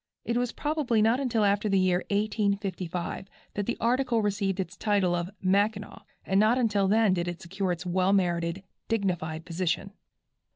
It was probably not until after the year 1855 that the article received its title of "Mackinaw," and not until then did it secure its well merited, dignified position.